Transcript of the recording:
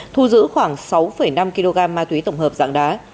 thu giữ khoảng sáu năm kg ma túy tổng hợp dạng đá